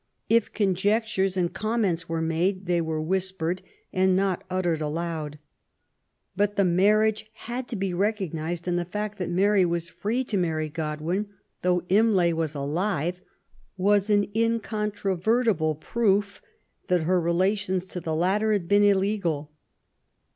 If conjectures and comments were made, they were whispered, and not uttered aloud. But the marriage had to be recognized, and the fact that Mary was free to marry Godwin, though Imlay was alive, was an incontrovertible proof that her relation to the latter had been illegal.